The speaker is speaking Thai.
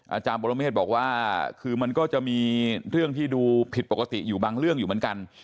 อาจารย์ปรเมฆบอกว่าคือมันก็จะมีเรื่องที่ดูผิดปกติอยู่บางเรื่องอยู่เหมือนกัน